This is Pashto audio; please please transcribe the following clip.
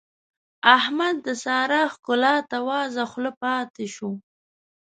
احمد د سارا ښکلا ته وازه خوله پاته شو.